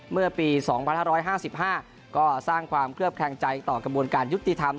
เมื่อปี๒๕๕๕ก็สร้างความเคลือบแคลงใจต่อกระบวนการยุติธรรม